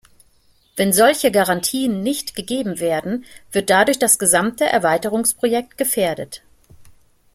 Wenn solche Garantien nicht gegeben werden, wird dadurch das gesamte Erweiterungsprojekt gefährdet.